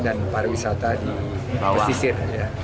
dan pariwisata di pesisir